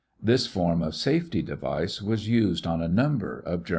This form of safety device was used on a number of German grenades.